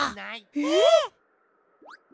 えっ！